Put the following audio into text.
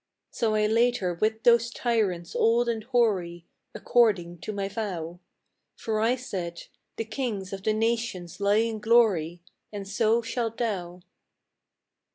A DEAD YEAR. 91 So I laid her with those tyrants old and hoary, According to my vow; For I said, " The kings of the nations lie in glory, And so shalt thou